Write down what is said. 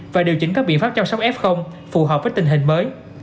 và điều chỉnh các biện pháp chăm sóc f phù hợp với tình hình mới